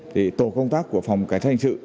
thì tổ công tác của phòng cảnh sát hình sự